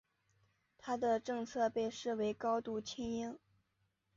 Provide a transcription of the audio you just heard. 他的政策被视为高度亲英。